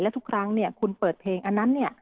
แล้วทุกครั้งคุณเปิดเพลงอันนั้น